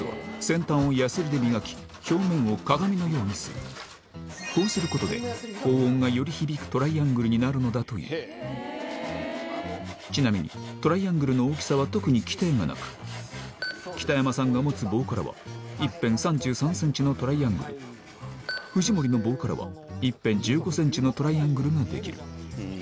まずはこうすることで高音がより響くトライアングルになるのだというちなみにトライアングルの大きさは特に規定がなく北山さんが持つ棒からは１辺３３ｃｍのトライアングル藤森の棒からは１辺１５ｃｍのトライアングルが出来る